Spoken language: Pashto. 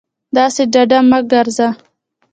داسې ډاډه مه گرځه